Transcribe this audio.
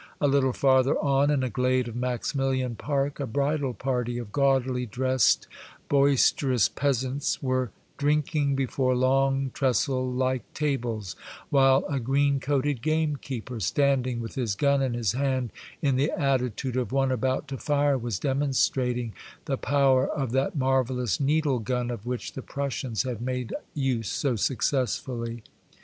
A little farther on, in a glade of Maximilian Park, a bridal party of gaudily dressed, boisterous peas The Blind Emperor, 321 ants were drinking before long, trestle like tables, while a green coated game keeper, standing with his gun in his hand, in the attitude of one about to fire, was demonstrating the power of that marvel lous needle gun of which the Prussians had made use so successfully.